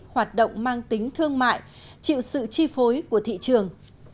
hoạt động mang tính thương mại chịu sự chi phối của thị trường